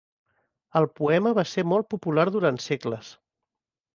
El poema va ser molt popular durant segles.